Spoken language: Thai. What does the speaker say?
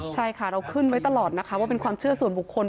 ใช่ค่ะเราขึ้นไว้ตลอดนะคะว่าเป็นความเชื่อส่วนบุคคล